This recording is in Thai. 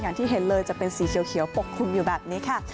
อย่างที่เห็นเลยจะเป็นสีเขียวปกคลุมอยู่แบบนี้ค่ะ